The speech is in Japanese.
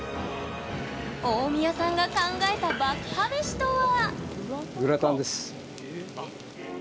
大宮さんが考えた爆破メシとは。